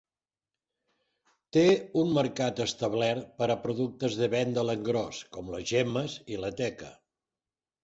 Té un mercat establert per a productes de venda a l'engròs com les gemmes i la teca.